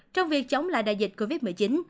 trong việc chống lại đại dịch covid một mươi chín